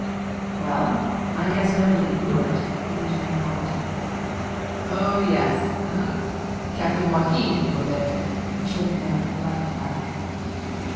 "Well, I guess nobody knew it," the engineer commented. "Oh, yes; Captain Joaquin knew of it," assured the man, with a light laugh.